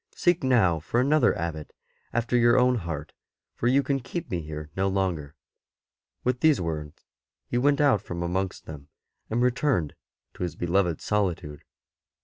Seek now for another Abbot after your own heart, for you can keep me here no longer." With these words he went out from amongst them, and returned to his beloved solitude.